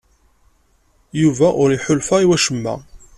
Yuba ur iḥulfa i wacemma?